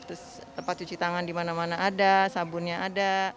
terus tempat cuci tangan di mana mana ada sabunnya ada